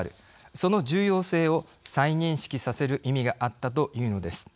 その重要性を再認識させる意味があったというのです。